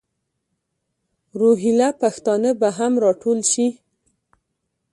روهیله پښتانه به هم را ټول شي.